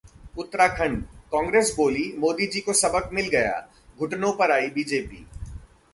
उत्तराखंड: कांग्रेस बोली- मोदीजी को सबक मिल गया, घुटनों पर आई बीजेपी